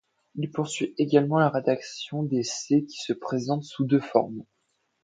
Il poursuit également la rédaction d'essais qui se présentent sous deux formes.